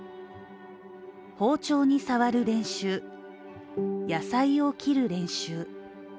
包丁に触る練習、野菜を切る練習。